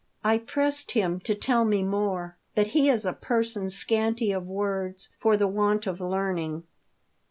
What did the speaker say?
I pressed him to tell me more, but he is a person scanty of words for the want of learning.